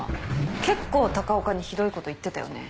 結構高岡にひどいこと言ってたよね。